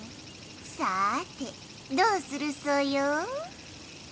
さてどうするソヨ？